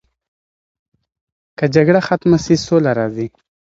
که جګړه ختمه سي سوله راځي.